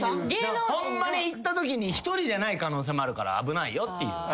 ホンマに行ったときに一人じゃない可能性もあるから危ないよっていう。